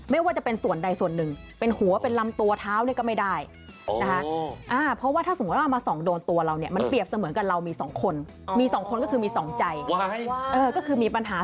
ไม่ว่าจะเป็นส่วนใดส่วนหนึ่งเป็นหัวเป็นลำตัวเท้าเนี่ยก็ไม่ได้นะคะเพราะว่าถ้าสมมุติว่ามาส่องโดนตัวเราเนี่ยมันเปรียบเสมือนกับเรามีสองคนมีสองคนก็คือมีสองใจก็คือมีปัญหา